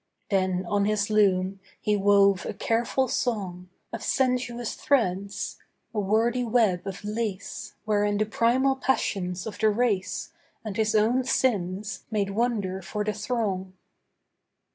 Then on his loom, he wove a careful song, Of sensuous threads; a wordy web of lace Wherein the primal passions of the race And his own sins made wonder for the throng.